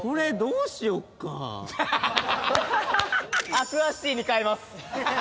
アクアシティに変えます！